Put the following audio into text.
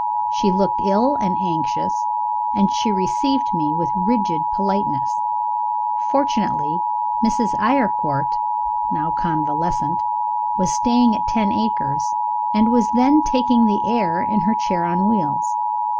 She looked ill and anxious, and she received me with rigid politeness. Fortunately, Mrs. Eyrecourt (now convalescent) was staying at Ten Acres, and was then taking the air in her chair on wheels.